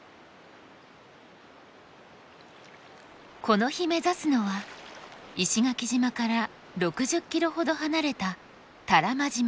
この日目指すのは石垣島から６０ｋｍほど離れた多良間島。